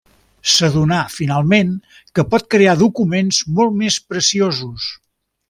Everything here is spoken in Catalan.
S'adona finalment que pot crear documents molt més preciosos.